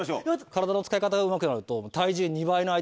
体の使い方がうまくなると。